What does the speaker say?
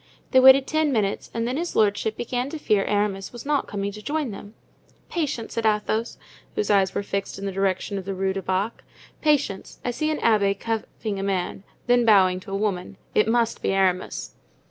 They waited ten minutes and then his lordship began to fear Aramis was not coming to join them. "Patience," said Athos, whose eyes were fixed in the direction of the Rue du Bac, "patience; I see an abbé cuffing a man, then bowing to a woman; it must be Aramis."